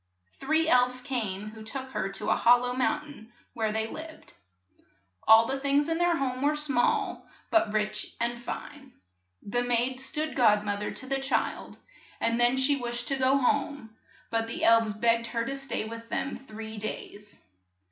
Three elves came who took her to a hol low moun tain where they lived. All the things in their home were small, but rich and fine. The maid stood god moth er to the child, and then TALES ABOUT ELVES 23 she wished to go home ; but the elves begged her to stay with them three days.